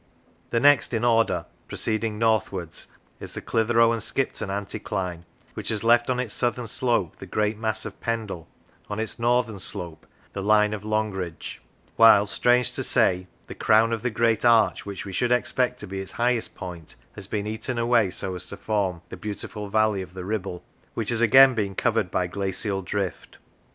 The next in order, proceeding northwards, is the Clitheroe and Skipton anticline, which has left on its southern slope the great mass of Pendle, on its northern slope the line of Longridge; while, strange to say, the crown of the great arch, which we should expect to be its highest point, has been eaten away so as to form the beautiful valley of the Ribble, which has again been covered by glacial drift.